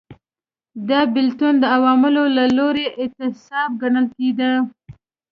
دا بېلتون د عوامو له لوري اعتصاب ګڼل کېده.